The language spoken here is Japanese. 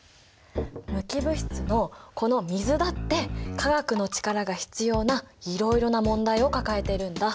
無機物質のこの水だって化学の力が必要ないろいろな問題を抱えているんだ。